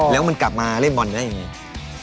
แล้วมันกลับมาเล่นบอลได้ยังไง